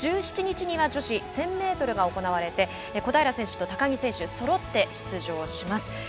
１７日には女子１０００ｍが行われて小平選手と高木選手がそろって出場します。